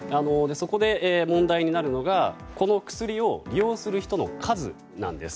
そこで、問題になるのがこの薬を利用する人の数なんです。